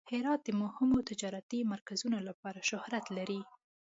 هرات د مهمو تجارتي مرکزونو لپاره شهرت لري.